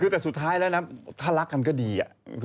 แต่สุดท้ายเลยนะแหละถ้ารักกันก็ดี